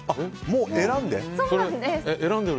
もう選んで。